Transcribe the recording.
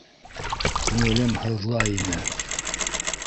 Күңелем һыҙлай ине.